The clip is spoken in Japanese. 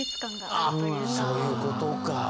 あっそういうことか。